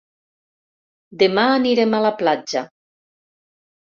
Demà anirem a la platja.